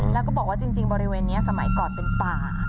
แล้วก็บอกว่าจริงบริเวณนี้สมัยก่อนเป็นป่า